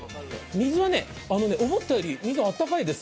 水は思ったよりあったかいです。